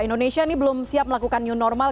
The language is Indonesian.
indonesia ini belum siap melakukan new normal